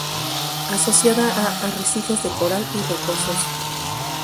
Asociada a arrecifes de coral y rocosos.